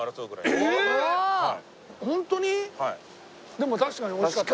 でも確かにおいしかったね。